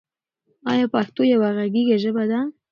آیا پښتو یوه غږیزه ژبه ده؟